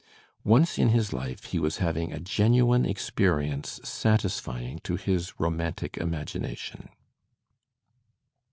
Once in his life he was having a genuine experience satisfying to his romantic imagination.